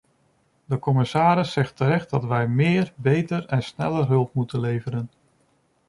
De commissaris zegt terecht dat wij meer, beter en sneller hulp moeten leveren.